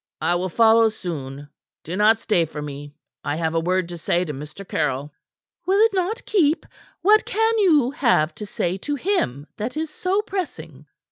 "I will follow soon. Do not stay for me. I have a word to say to Mr. Caryll." "Will it not keep? What can you have to say to him that is so pressing?"